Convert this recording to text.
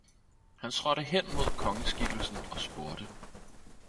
Han trådte hen mod kongeskikkelsen og spurgte